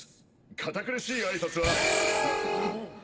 堅苦しい挨拶は。